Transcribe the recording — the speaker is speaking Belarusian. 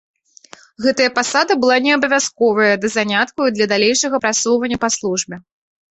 Гэтая пасада была не абавязковая да занятку і для далейшага прасоўвання па службе.